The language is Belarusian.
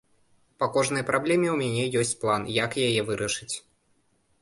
Па кожнай праблеме ў мяне ёсць план, як яе вырашыць.